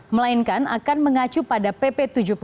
melainkan akan mengacu pada pp tujuh puluh